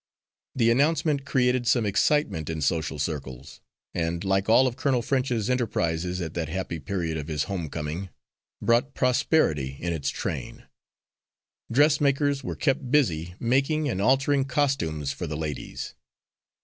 The announcement created some excitement in social circles, and, like all of Colonel French's enterprises at that happy period of his home coming, brought prosperity in its train. Dressmakers were kept busy making and altering costumes for the ladies.